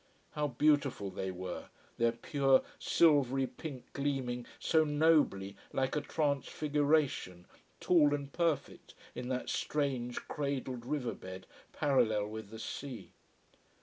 How beautiful they were, their pure, silvery pink gleaming so nobly, like a transfiguration, tall and perfect in that strange cradled river bed parallel with the sea.